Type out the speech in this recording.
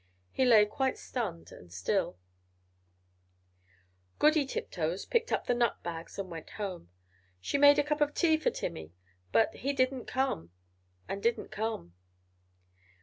He lay quite stunned and still. Goody Tiptoes picked up the nut bags and went home. She made a cup of tea for Timmy; but he didn't come and didn't come.